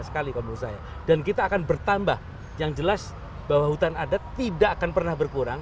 sekali kalau menurut saya dan kita akan bertambah yang jelas bahwa hutan adat tidak akan pernah berkurang